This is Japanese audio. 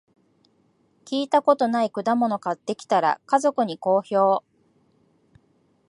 聞いたことない果物買ってきたら、家族に好評